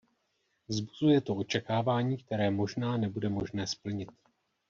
Vzbuzuje to očekávání, které možná nebude možné splnit.